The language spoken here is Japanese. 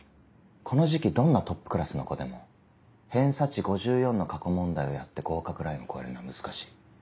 この時期どんなトップクラスの子でも偏差値５４の過去問題をやって合格ラインを越えるのは難しい。